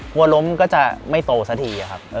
กลัวล้มก็จะไม่โตสักทีครับ